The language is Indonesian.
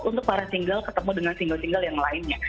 untuk para single ketemu dengan single single yang lainnya